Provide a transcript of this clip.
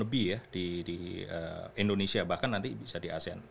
lebih ya di indonesia bahkan nanti bisa di asean